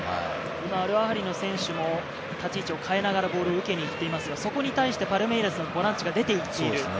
アルアハリの選手も立ち位置を変えながらボールを受けにいっていますが、そこに対してパルメイラスのボランチが出て行っている。